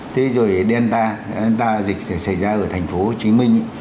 thế rồi delta delta dịch xảy ra ở thành phố hồ chí minh